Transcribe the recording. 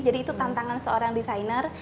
jadi itu tantangan seorang desainer